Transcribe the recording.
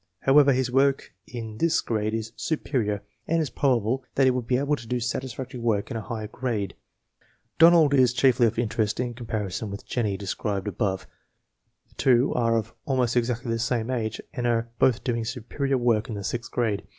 However, his work hi this grade is "superior" and it is prob able that he would be able to do satisfactory work in a higher grade. Donald is chiefly of interest hi comparison with Jennie, described above. The two are of almost exactly the same age and are both doing "superior" work hi the sixth grade.